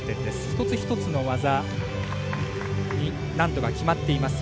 一つ一つの技に難度が決まっています。